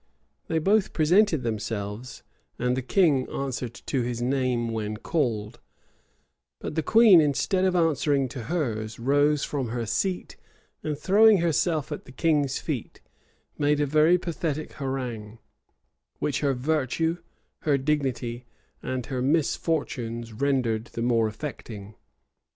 They both presented themselves; and the king answered to his name, when called: but the queen, instead of answering to hers rose from her seat, and throwing herself at the king's feet, made a very pathetic harangue, which her virtue, her dignity, and her misfortunes rendered the more affecting.